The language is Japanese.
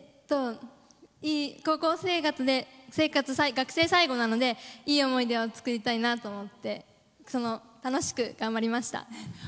いい高校生活で学生生活最後なのでいい思い出を作りたいなと思って楽しく頑張りました。